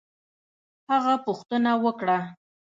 هغه پوښتنه وکړه